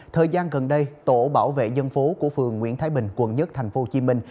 thời gian gần đây tổ bảo vệ dân phố của phường nguyễn thái bình quận một thành phố hồ chí minh